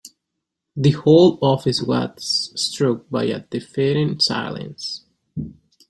The whole office was struck by a deafening silence.